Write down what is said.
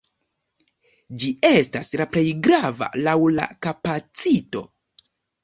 Ĝi estas la plej grava laŭ la kapacito.